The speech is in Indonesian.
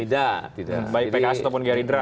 tidak baik pks ataupun geridra